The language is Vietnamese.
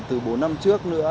từ bốn năm trước nữa